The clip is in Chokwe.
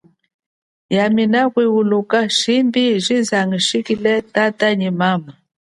Yami nakwiuluka shimbi angushikile tata nyi mama.